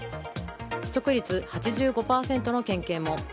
取得率８５％の県警も。